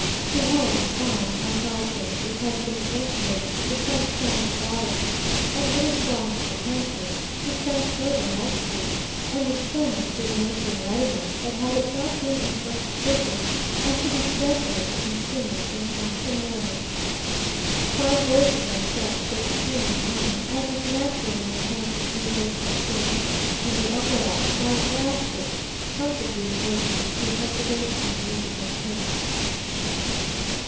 She has a fine contralto, which has been cultivated; but some Spanish ballads, and little songs of the country, she sang so delightfully, and with so much good nature and readiness, that had it not been a first visit, I should have begged her to continue during half the morning. Fine voices are said to be extremely common, as is natural in a country peopled from Spain; and the opera, while it lasted, contributed greatly to the cultivation of musical taste.